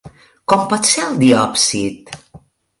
Com pot ser el diòpsid?